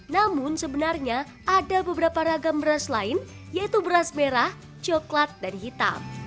namun sebenarnya ada beberapa ragam beras lain yaitu beras merah coklat dan hitam